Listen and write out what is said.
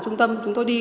ở trung tâm chúng tôi đi